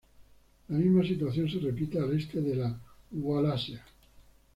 La misma situación se repite al este de la Wallacea.